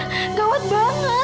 tidak ada yang ketukar